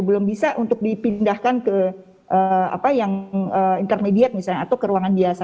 belum bisa untuk dipindahkan ke apa yang intermediate misalnya atau ke ruangan biasa